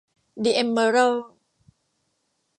ดิเอมเมอรัลด์